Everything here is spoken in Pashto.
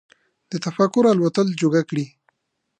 د تفکر الوتلو جوګه کړي